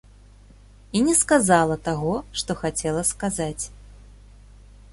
І не сказала таго, што хацела сказаць.